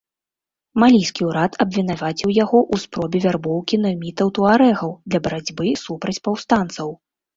Малійскі ўрад абвінаваціў яго ў спробе вярбоўкі наймітаў-туарэгаў для барацьбы супраць паўстанцаў.